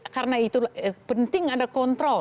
karena itu penting ada kontrol